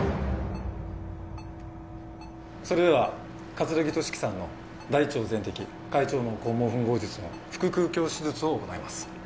それでは城俊樹さんの大腸全摘回腸嚢肛門吻合術の腹腔鏡手術を行います。